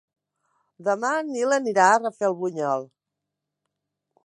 Demà en Nil anirà a Rafelbunyol.